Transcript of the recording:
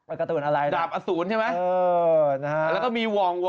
ไอ้การ์ตูนอะไรนะครับดาบอสูรใช่ไหมแล้วก็มีวอง